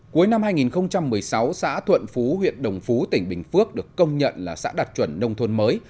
cuối năm hai nghìn một mươi sáu xã thuận phú huyện đồng phú tỉnh bình phước được công nhận là xã đạt chuẩn nông thôn mới